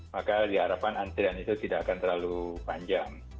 maka diharapkan antrian itu tidak akan terlalu panjang